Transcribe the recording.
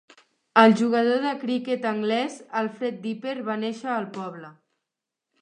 El jugador de criquet anglès Alfred Dipper va néixer al poble.